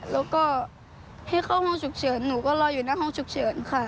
แล้วก็ให้เข้าห้องฉุกเฉินหนูก็รออยู่หน้าห้องฉุกเฉินค่ะ